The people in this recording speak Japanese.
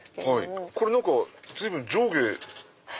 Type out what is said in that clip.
これ何か随分上下。